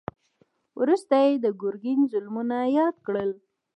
وروسته يې د ګرګين ظلمونه ياد کړل.